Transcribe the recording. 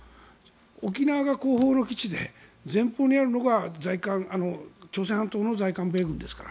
沖縄が後方の基地で前方にあるのが朝鮮半島の在韓米軍ですから。